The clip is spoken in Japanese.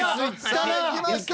さあいきました！